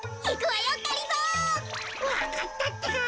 わかったってか。